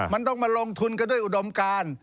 มันต้องมาลงทุนกันด้วยอุดมการ